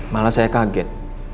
malah saya kaget